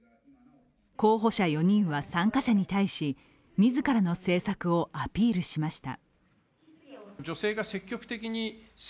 候補者４人は参加者に対し自らの政策をアピールしました。